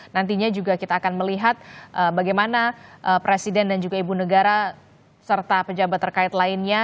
nantinya juga kita akan melihat bagaimana presiden dan juga ibu negara serta pejabat terkait lainnya